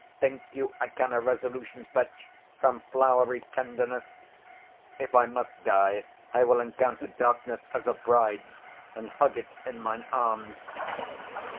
Think you I can a resolution fetch From flowery tenderness? If I must die, 80 I will encounter darkness as a bride, And hug it in mine arms.